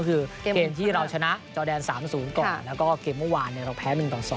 ก็คือเกมที่เราชนะจอแดน๓๐ก่อนแล้วก็เกมเมื่อวานเราแพ้๑ต่อ๒